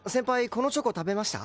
このチョコ食べました？